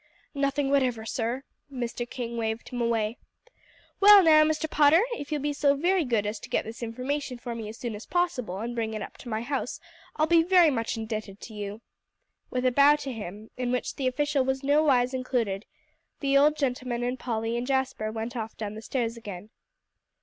"Nothing whatever, sir." Mr. King waved him away. "Well, now, Mr. Potter, if you'll be so very good as to get this information for me as soon as possible and bring it up to my house, I'll be very much indebted to you." With a bow to him, in which the official was nowise included, the old gentleman and Polly and Jasper went off down the stairs again.